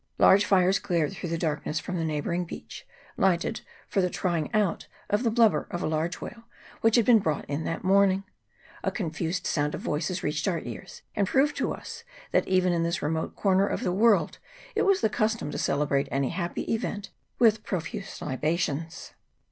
Large fires glared through the darkness from the neighbouring beach, lighted for the trying out of the blubber of a large whale, which had been brought in that morning ; a confused sound of voices reached our ears, and proved to us that even in this remote corner of the world it was the custom to celebrate any happy event with profuse libations.